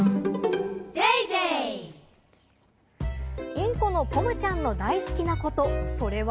インコのポムちゃんの大好きなこと、それは。